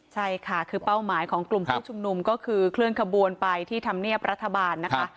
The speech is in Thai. ใช่ค่ะคือเป้าหมายของกลุ่มผู้ชุมนุมก็คือเคลื่อนขบวนไปที่ธรรมเนียบรัฐบาลนะคะ